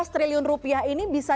lima belas triliun rupiah ini bisa